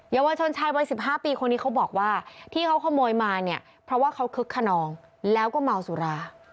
เยาวชนชายวัย๑๕ปีคนนี้เขาบอกว่าที่เขาขโมยมาเนี่ยเพราะว่าเขาคึกขนองแล้วก็เมาสุรา